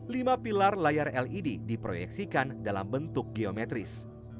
lima pilar layar led diproyeksikan dalam bentuk geometris